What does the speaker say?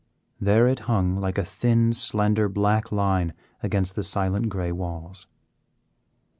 There it hung like a thin, slender black line against the silent gray walls.